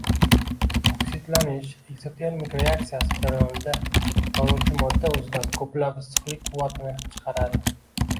oksidlanish ekzotermik reaksiyasi jarayonida yonuvchi modda o’zidan ko’plab issiqlik quvvatini chiqaradi